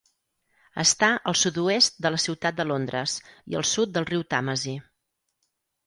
Està al sud-oest de la ciutat de Londres i al sud del riu Tàmesi.